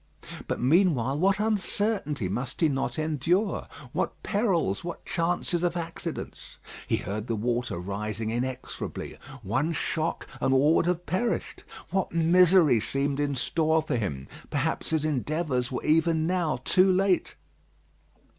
But meanwhile what uncertainty must he not endure! What perils, what chances of accidents! He heard the water rising inexorably. One shock, and all would have perished. What misery seemed in store for him. Perhaps his endeavours were even now too late.